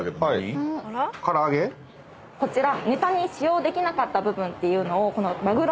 こちら。